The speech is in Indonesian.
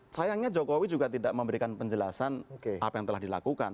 sayangnya jokowi juga tidak memberikan penjelasan apa yang telah dilakukan